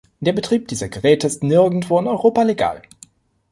Der Betrieb dieser Geräte ist nirgendwo in Europa legal.